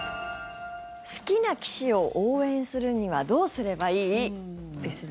好きな棋士を応援するにはどうすればいい？ですね。